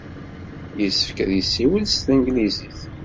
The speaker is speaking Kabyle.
Yessefk ad yessiwel s tanglizit.